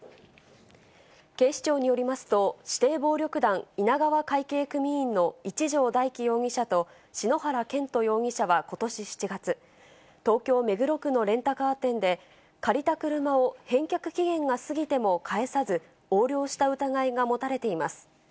警視庁によりますと、指定暴力団稲川会系組員の一條大樹容疑者と、篠原健斗容疑者はことし７月、東京・目黒区のレンタカー店で、借りた車を返却期限が過ぎても返さず、横領した疑いが持たれています。